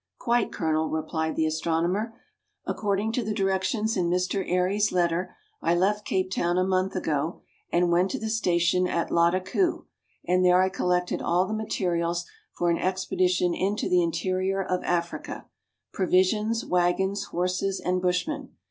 " Quite, Colonel," replied the astronomer. " According to the directions in Mr. Airy's letter, I left Cape Town a month ago, and went to the station at Lattakoo, and there I collected all the materials for an expedition into the interior of Africa, provisions, waggons, horses, and bushmen.